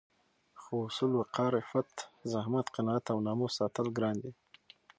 خو اصول، وقار، عفت، زحمت، قناعت او ناموس ساتل ګران دي